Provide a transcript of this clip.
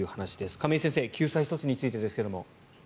亀井先生救済措置についてですが。